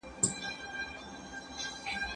هغه پوهانو او شاعرانو ته ډېر درناوی کاوه.